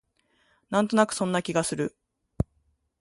なんとなくそんな気がする